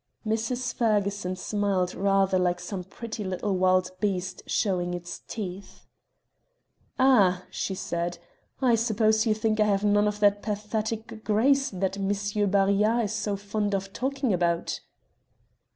Mrs. Ferguson smiled rather like some pretty little wild beast showing its teeth. "Ah!" she said, "I suppose you think I have none of that pathetic grace that M. Barillat is so fond of talking about."